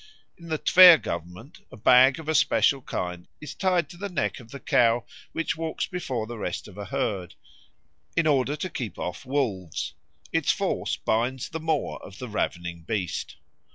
In the Tver Government a bag of a special kind is tied to the neck of the cow which walks before the rest of a herd, in order to keep off wolves; its force binds the maw of the ravening beast.